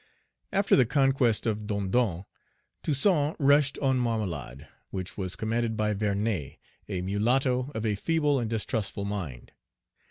AFTER the conquest of Dondon, Toussaint rushed on Marmelade, which was commanded by Vernet, a mulatto of a feeble and distrustful mind.